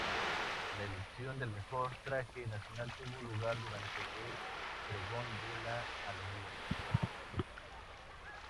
La elección del Mejor Traje Nacional tuvo lugar durante el Pregón de la Alegría.